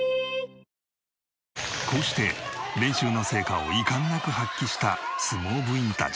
こうして練習の成果を遺憾なく発揮した相撲部員たち。